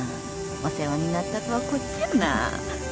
お世話になったとはこっちよな。